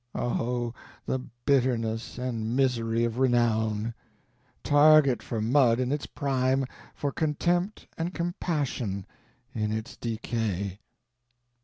Oh, the bitterness and misery of renown! target for mud in its prime, for contempt and compassion in its decay."